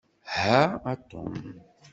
Ha a Tom.